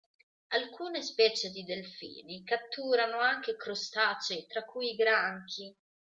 Alcune specie di delfini catturano anche crostacei, tra cui i granchi.